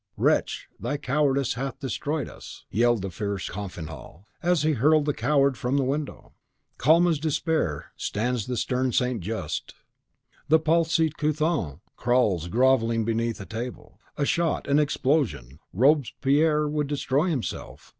"Wretch! thy cowardice hath destroyed us!" yelled the fierce Coffinhal, as he hurled the coward from the window. Calm as despair stands the stern St. Just; the palsied Couthon crawls, grovelling, beneath table; a shot, an explosion! Robespierre would destroy himself!